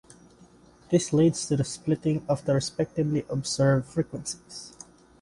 This leads to the splitting of the respectively observed frequencies.